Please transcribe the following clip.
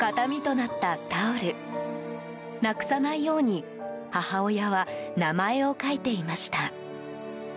なくさないように母親は名前を書いていました。